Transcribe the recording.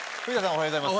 おはようございます